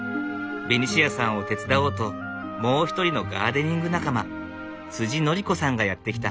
ベニシアさんを手伝おうともう一人のガーデニング仲間典子さんがやって来た。